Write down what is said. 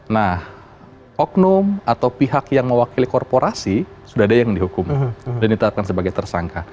nah oknum atau pihak yang mewakili korporasi sudah ada yang dihukum dan ditetapkan sebagai tersangka